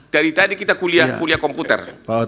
dari tadi kita kuliah komputer